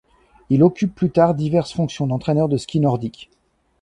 Il occupe plus tard diverses fonctions d'entraîneur de ski nordique.